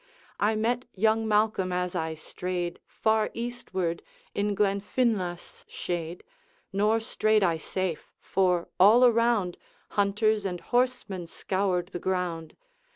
I met young Malcolm as I strayed Far eastward, in Glenfinlas' shade Nor strayed I safe, for all around Hunters and horsemen scoured the ground.